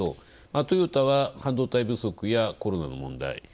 トヨタは半導体不足やコロナの問題。